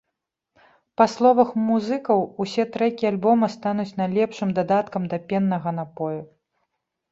Па словах музыкаў, усе трэкі альбома стануць найлепшым дадаткам да пеннага напою.